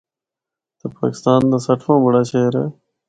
تے پاکستان دا سٹھواں بڑا شہر اے۔